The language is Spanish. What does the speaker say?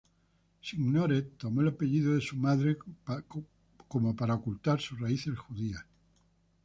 Signoret tomó el apellido de su madre como para ocultar sus raíces judías.